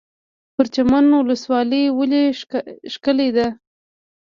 پرچمن ولسوالۍ ولې ښکلې ده؟